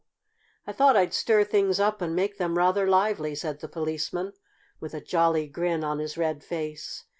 "I thought I'd stir things up and make them rather lively!" said the Policeman, with a jolly grin on his red face.